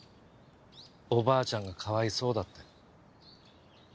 おばあちゃんがかわいそうだって。